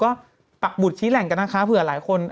ก็ปักบุตรชี้แหล่งกันนะคะเผื่อหลายคน